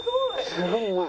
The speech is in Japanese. すごいうまい！